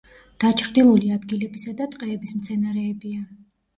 დაჩრდილული ადგილებისა და ტყეების მცენარეებია.